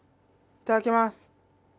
いただきます。